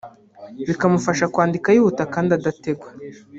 bikamufasha kwandika yihuta kandi adategwa